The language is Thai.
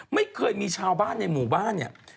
ไม่เคยมีชาวบ้านในหมู่บ้านเนี่ย